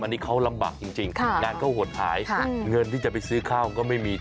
อันนี้เขาลำบากจริงงานเขาหดหายเงินที่จะไปซื้อข้าวก็ไม่มี